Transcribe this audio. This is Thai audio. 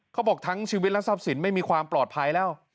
เขาบอกทั้งชีวิตและทรัพย์สินไม่มีความปลอดภัยแล้ว